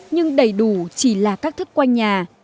nhưng đầy đủ chỉ là các thức quanh nhà